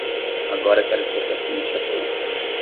Agora quero que você assine este acordo.